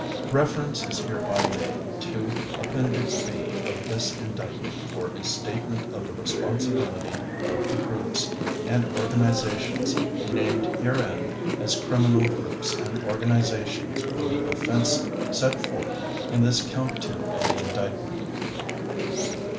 Reference is hereby made to Appendix B of this Indictment for a statement of the responsibility of the groups and organizations named herein as criminal groups and organizations for the offense set forth in this Count Two of the Indictment.